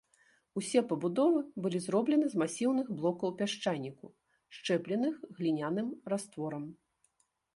Усе пабудовы былі зроблены з масіўных блокаў пясчаніку, счэпленых гліняным растворам.